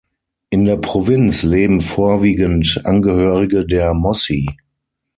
In der Provinz leben vorwiegend Angehörige der Mossi.